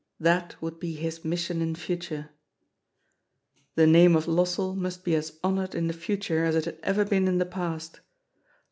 That would be his mission in future. The name of Lossell must be as honoured in the future as it had ever been in the past.